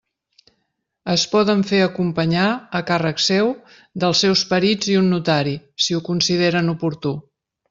Es poden fer acompanyar, a càrrec seu, dels seus perits i un notari, si ho consideren oportú.